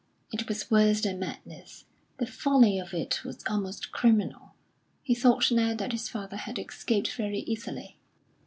It was worse than madness, the folly of it was almost criminal; he thought now that his father had escaped very easily.